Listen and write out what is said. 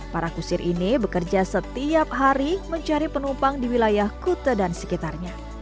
para kusir ini bekerja setiap hari mencari penumpang di wilayah kute dan sekitarnya